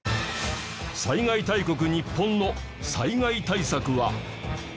災害大国日本の災害対策は。